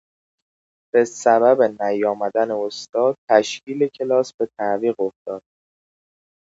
به سبب نیامدن استاد، تشکیل کلاس به تعویق افتاد.